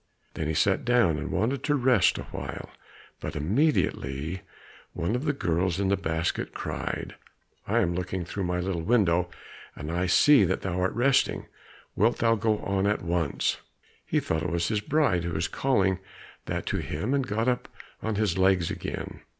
Then he sat down and wanted to rest awhile, but immediately one of the girls in the basket cried, "I am looking through my little window, and I see that thou art resting. Wilt thou go on at once?" He thought it was his bride who was calling that to him; and got up on his legs again.